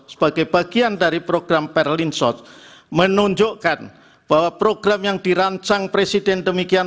sebagai bagian dari program perlinsort menunjukkan bahwa program yang dirancang presiden demikian